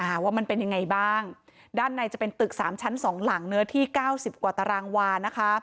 ว่ามันเป็นยังไงบ้างด้านในจะเป็นตึกสามชั้นสองหลังเนื้อที่เก้าสิบกว่าตารางวานะคะ